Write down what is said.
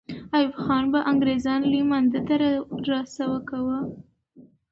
ایوب خان به انګریزان لوی مانده ته را سوه کاوه.